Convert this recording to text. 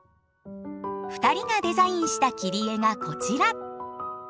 ２人がデザインした切り絵がこちら。